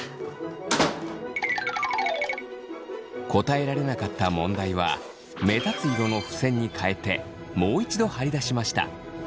答えられなかった問題は目立つ色のふせんにかえてもう一度貼り出しました。